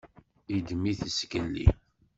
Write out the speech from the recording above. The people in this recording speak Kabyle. Yeddem-it zgelli.